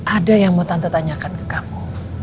ada yang mau tante tanyakan ke kamu